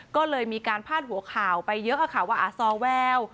ก็เลยมีการพลาดหัวข่าวไปเยอะกับข่าวว่าอ่าซอแวว